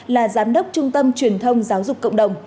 là giám đốc trung tâm truyền thông giáo dục cộng đồng